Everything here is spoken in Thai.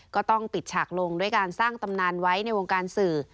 ก็ต้องปิดฉากลงด้วยการสร้างตำนานไว้ในวงการสื่อ